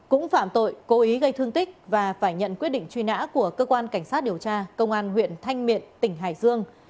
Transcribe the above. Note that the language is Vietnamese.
cũng phạm tội cố ý gây thương tích và phải nhận quyết định truy nã của cơ quan cảnh sát điều tra công an huyện thanh miện tỉnh hải dương